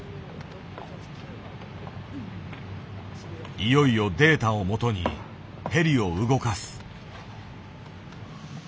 いよいよデータをもとにヘリを動かす。